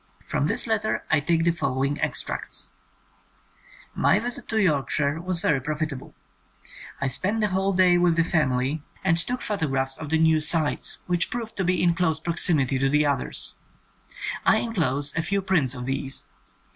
From this letter I take the fol lowing extracts: *^My visit to Yorkshire was very profit able. I spent the whole day with the family 99 THE COMING OF THE FAIRIES and took photographs of the new sites, which proved to be in close proximity to the others. I enclose a few prints of these.